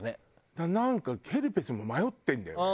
だからなんかヘルペスも迷ってるんだよね。